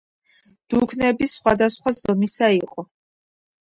დუქნები სხვადასხვა ზომისა იყო.